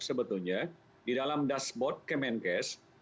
sebetulnya di dalam dashboard kemenkes